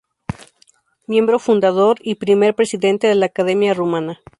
Miembro fundador y primer presidente de la Academia Rumana.